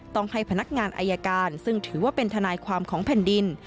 ต้องให้พนักงานอายการซึ่งถือว่าเป็นทนายความของแผ่นดิน